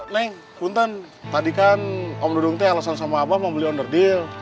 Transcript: neng buntan tadi kan om dudung tuh alasan sama abah mau beli under deal